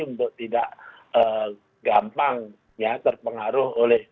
untuk tidak gampang ya terpengaruh oleh